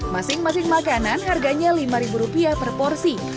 masing masing makanan harganya lima ribu rupiah per porsi